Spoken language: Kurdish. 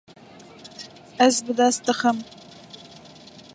Ez bi dest dixim.